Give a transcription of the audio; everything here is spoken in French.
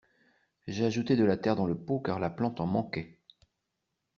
J'ai ajouté de la terre dans le pot car la plante en manquait.